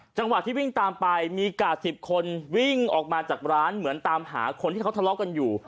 จังหวะที่วิ่งตามไปมีกาด๑๐คนวิ่งออกมาจากร้านเหมือนตามหาคนที่เขาทะเลาะกันอยู่